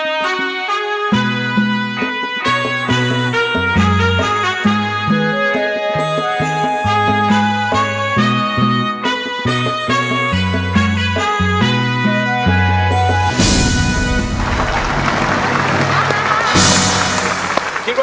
อินโทรเพลงที่๔ครับ